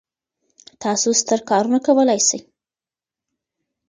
تاسو ستر کارونه کولای سئ.